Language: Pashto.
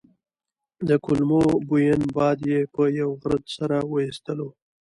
د کولمو بوین باد یې په یوه غرت سره وايستلو.